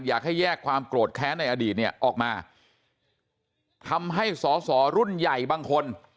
อยากให้แยกความโกรธแค้นในอดีตเนี่ยออกมาทำให้สอสอรุ่นใหญ่บางคน